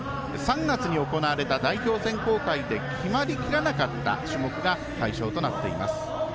３月に行われた代表選考会で決まりきらなかった種目が対象となっています。